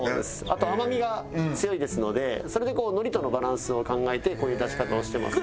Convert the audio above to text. あと甘みが強いですのでそれで海苔とのバランスを考えてこういう出し方をしてます。